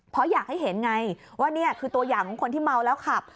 เพราะอยากให้เห็นไงว่านี่คือตัวอย่างของคนที่เมาแล้วขับ